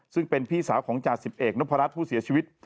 ซึ่งเป็นพี่สาวของจ่าสิบเอกนพรัชผู้เสียชีวิต